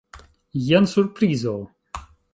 Jen surprizo!